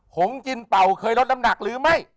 หงกินเป่าเคยลดน้ำหนักหรือไม่